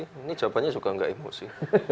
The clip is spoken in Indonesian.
ini jawabannya juga nggak emosi